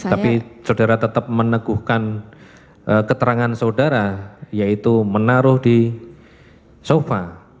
tapi saudara tetap meneguhkan keterangan saudara yaitu menaruh di sofa